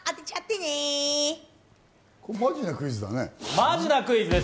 マジなクイズです。